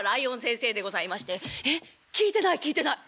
「えっ聞いてない聞いてない。